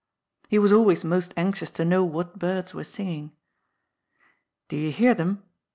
He was always most anxious to know what birds were singing. "Do you hear them?"